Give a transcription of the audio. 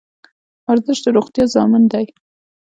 ورزش د روغتیا ضامن دی